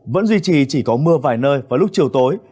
vẫn duy trì chỉ có mưa vài nơi vào lúc chiều tối